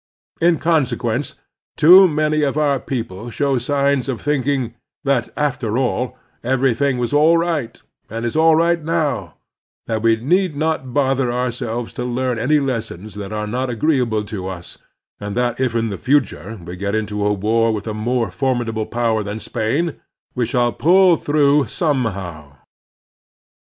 In consequence, too many of our people show signs of thinking that, after all, everything was all right, and is all right now ; that we need not bother our selves to learn any lessons that are not agreeable to us, and that if in the future we get into a war with a more formidable power than Spain, we i64 The Strenuous Life shall pull through somehow.